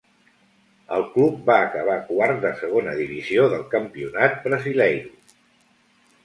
El club va acabar quart de Segona Divisió del Campionat Brasileiro.